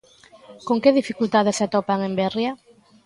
Con que dificultades se atopan en Berria?